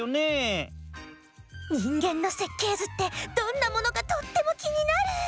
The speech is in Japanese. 人間の設計図ってどんなものかとってもきになる！